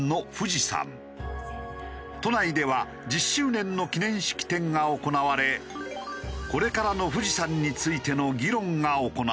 都内では１０周年の記念式典が行われこれからの富士山についての議論が行われた。